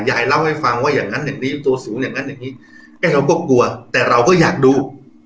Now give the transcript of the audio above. ยายเล่าให้ฟังว่าอย่างนั้นอย่างนี้ตัวสูงอย่างนั้นอย่างนี้ไอ้เราก็กลัวแต่เราก็อยากดู